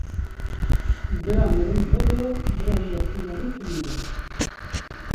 Bira mirin hebe bira yextiyarî tunebe